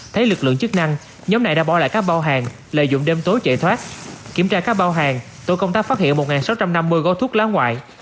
thấy lực lượng chức năng nhóm này đã bỏ lại các bao hàng lợi dụng đêm tối chạy thoát kiểm tra các bao hàng tổ công tác phát hiện một sáu trăm năm mươi gói thuốc lá ngoại